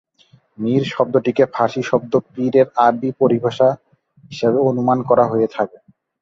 মীর শব্দটিকে ফার্সি শব্দ "পীর" এর আরবি পরিভাষা হিসেবে অনুমান করা হয়ে থাকে।